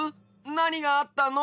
なにがあったの？